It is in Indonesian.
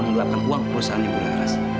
yang melaporkan uang perusahaan ibu laras